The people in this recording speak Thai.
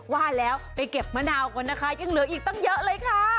ว่าแล้วไปเก็บมะนาวก่อนนะคะยังเหลืออีกตั้งเยอะเลยค่ะ